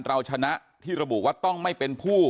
เราชนะที่ระบุว่าต้องไม่เป็นผู้